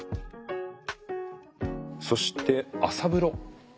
そして朝風呂。